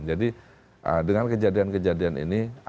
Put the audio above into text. jadi dengan kejadian kejadian ini